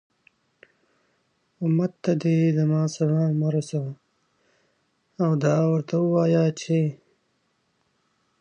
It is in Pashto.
أمت ته دي زما سلام ورسوه، او دا ورته ووايه چې